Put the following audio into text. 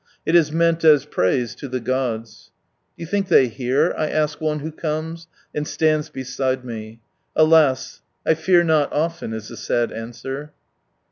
It is meant as praise to the gods. "Do you think they hear?" I ask one who comes, and stands beside me. " Alas I 1 fear not often," is the sad answer.